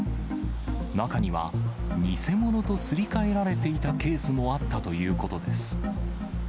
中には、偽物とすり替えられていたケースもあったということです。